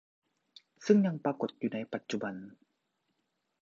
ซึ่งยังปรากฏอยู่ในปัจจุบัน